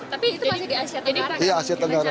tapi itu masih di asia tenggara